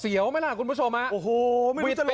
เสียวไมล่ะคุณผู้ชมค่ะโอ้ไม่รู้จะหลบไปกันเลย